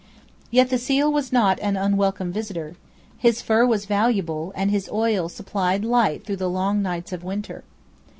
Yet the seal was not an unwelcome visitor: his fur was valuable,; and his oil supplied light through the long nights of winter.